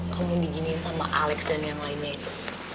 kamu diginiin sama alex dan yang lainnya itu